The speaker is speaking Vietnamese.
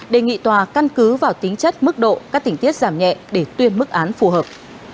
đề nghị tòa căn cứ vào tính chất mức độ các tỉnh tiết giảm nhẹ để tuyên mức án phù hợp